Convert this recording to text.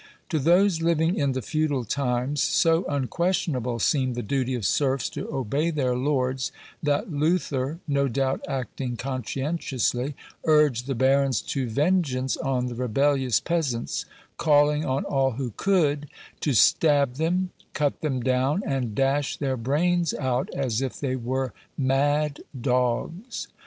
To those living in the feudal times, so unquestionable seemed the duty of serfs to obey their lords, that Luther (no doubt acting conscientiously) urged the barons to vengeance on the rebellious peasants, calling on all who could " to stab them, cut them down, and dash their brains out, as if they were mad dogs."